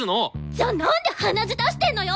じゃなんで鼻血出してんのよ！？